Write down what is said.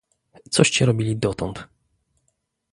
Coście robili dotąd?